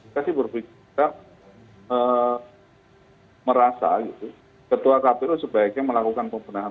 tapi berpikir kita merasa ketua kpu sebaiknya melakukan pembentangan